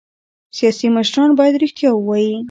سیاسي مشران باید رښتیا ووايي